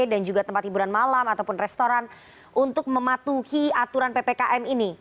dan juga tempat hiburan malam ataupun restoran untuk mematuhi aturan ppkm ini